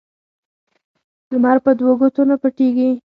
لمر په دوو گوتو نه پټېږي.